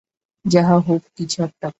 যাহাই হউক কিছু একটা কর।